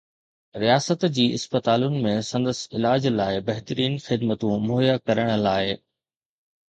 رياست جي اسپتالن ۾ سندس علاج لاء بهترين خدمتون مهيا ڪرڻ لاء